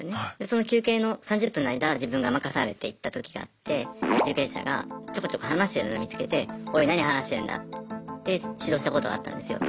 その休憩の３０分の間自分が任されて行ったときがあって受刑者がちょこちょこ話してるの見つけて「おい何話してるんだ」って指導したことがあったんですよ。